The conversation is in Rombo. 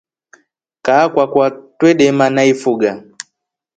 Kaa kwakwa twedema naifuga.